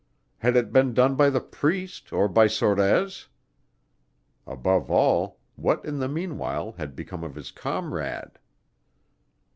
Had it been done by the priest or by Sorez? Above all, what in the meanwhile had become of his comrade?